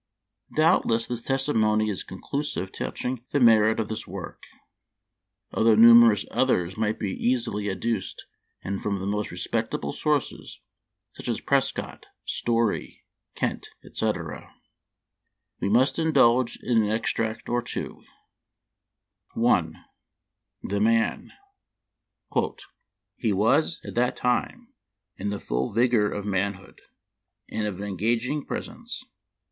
Doubtless this testimony is conclusive touch ing the merit of this work, although numerous others might be easily adduced, and from the most respectable sources, such as Prescott, Story, Kent, etc. We must indulge in an extract or two : I. The Man. —" He was, at that time, in the full vigor of manhood, and of an engaging pres ence.